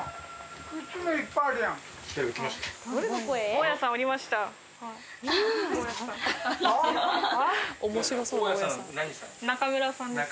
大家さん何さんですか？